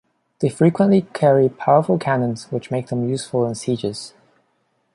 They frequently carry powerful cannons which make them useful in sieges.